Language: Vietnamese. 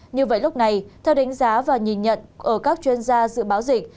như vậy lúc này theo đánh giá và nhìn nhận ở các chuyên gia dự báo dịch